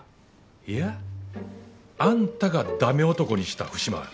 いやあんたがダメ男にした節もある。